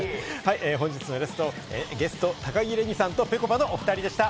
本日のゲスト、高城れにさんとぺこぱのお二人でした。